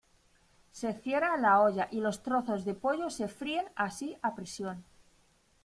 Se cierra la olla y los trozos de pollo se fríen así a presión.